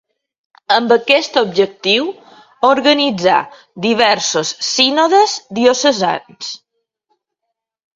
Amb aquest objectiu, organitzà diversos sínodes diocesans.